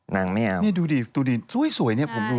นี่ดูดิสวยเนี่ยผมดู